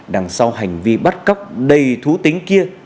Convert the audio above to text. đằng sau hành vi bắt cóc đầy thú tính kia